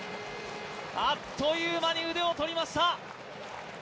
あっという間に腕を取りました。